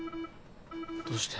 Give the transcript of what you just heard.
どうして。